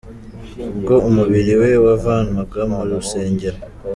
Ubwo umubiri we wavanwaga mu rusengero .